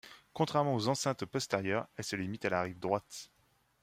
Contrairement aux enceintes postérieures, elle se limite à la rive droite.